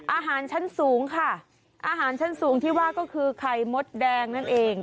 อาหารชั้นสูงค่ะอาหารชั้นสูงที่ว่าก็คือไข่มดแดงนั่นเอง